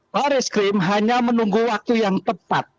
baris krim hanya menunggu waktu yang tepat